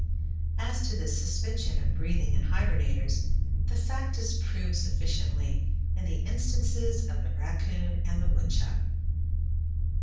As to the suspension of breathing in hibernators, the fact is proved sufficiently in the instances of the raccoon and the woodchuck.